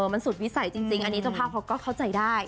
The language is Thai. มันสุดวิสัยจริงอันนี้เจ้าภาพเขาก็เข้าใจได้